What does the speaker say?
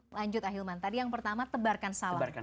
lanjut ahilman tadi yang pertama tebarkan salam